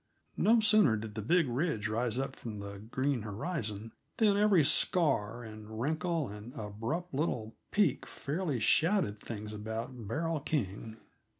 No sooner did the big ridge rise up from the green horizon, than every scar, and wrinkle, and abrupt little peak fairly shouted things about Beryl King.